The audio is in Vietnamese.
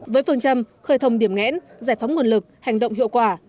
với phương châm khởi thông điểm nghẽn giải phóng nguồn lực hành động hiệu quả